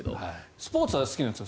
スポーツは好きなんですよ。